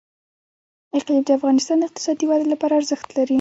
اقلیم د افغانستان د اقتصادي ودې لپاره ارزښت لري.